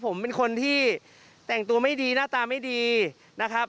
ผมเป็นคนที่แต่งตัวไม่ดีหน้าตาไม่ดีนะครับ